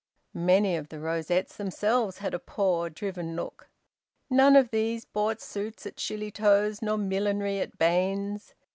Many of the rosettes themselves had a poor, driven look. None of these bought suits at Shillitoe's, nor millinery at Baines's.